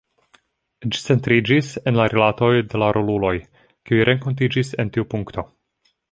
Ĝi centriĝis en la rilatoj de la roluloj, kiuj renkontiĝis en tiu punkto.